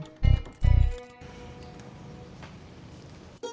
karena nawarnya terlalu rendah